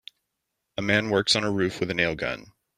A man works on a roof with a nail gun.